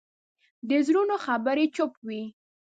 د زړونو خبرې چوپ وي